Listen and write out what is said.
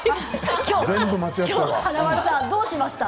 今日は華丸さんどうしましたか？